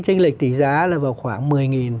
tranh lệch tỷ giá là vào khoảng một mươi